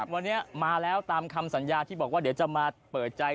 วันนี้มาแล้วตามคำสัญญาที่บอกว่าเดี๋ยวจะมาเปิดใจ